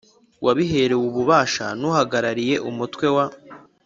wabiherewe ububasha n uhagarariye umutwe wa